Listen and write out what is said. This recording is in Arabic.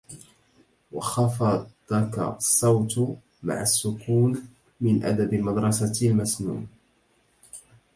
وخفضك الصوت مع السكونِ من أدب المدرسة المسنونِ